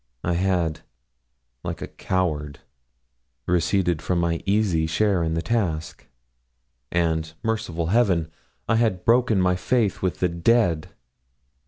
I had, like a coward, receded from my easy share in the task; and, merciful Heaven, I had broken my faith with the dead!